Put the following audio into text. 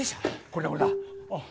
これだこれだ。